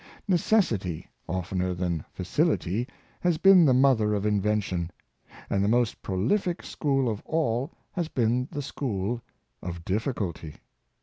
Necessity, oftener than facility, has been the mother of invention; and the most prolific school of all has been the school of difficulty.